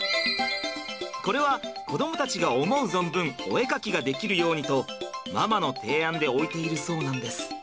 これは子どもたちが思う存分お絵かきができるようにとママの提案で置いているそうなんです。